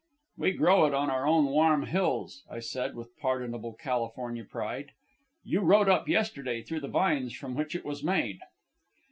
"We grow it on our own warm hills," I said, with pardonable California pride. "You rode up yesterday through the vines from which it was made."